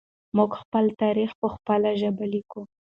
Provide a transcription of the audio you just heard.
موږ خپل تاریخ په خپله ژبه لیکو.